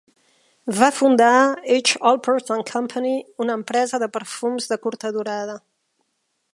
Va fundar H. Alpert and Company, una empresa de perfums de curta durada.